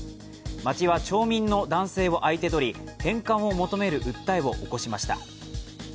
町は町民の男性を相手取り返還を求める訴えを起こしました。